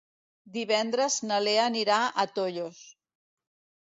Divendres na Lea anirà a Tollos.